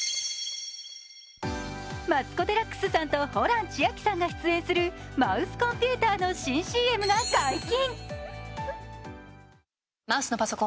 マツコ・デラックスさんとホラン千秋さんが出演するマウスコンピューターの新ＣＭが解禁。